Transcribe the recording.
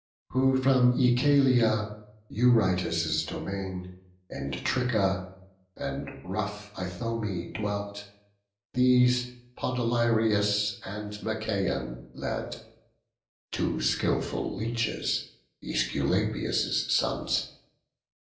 Who in Œchalia, Eurytus' domain, In Tricca, and in rough Ithome dwelt, These Podalirius and Machaon led, Two skilful leeches, Æsculapius' sons.